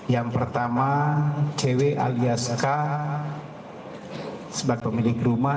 yang pertama cw alias k sebab pemilik rumah